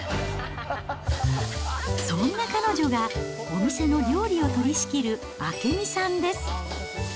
そんな彼女がお店の料理を取りしきる明美さんです。